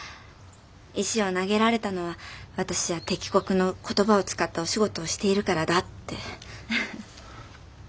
石を投げられたのは私が敵国の言葉を使ったお仕事をしているからだって。